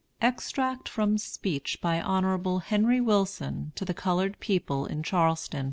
EXTRACT FROM SPEECH BY HON. HENRY WILSON TO THE COLORED PEOPLE IN CHARLESTON, S.